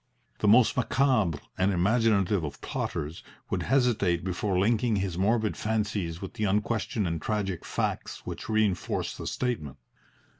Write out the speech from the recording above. The most macabre and imaginative of plotters would hesitate before linking his morbid fancies with the unquestioned and tragic facts which reinforce the statement.